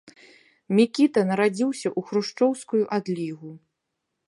Мікіта нарадзіўся ў хрушчоўскую адлігу.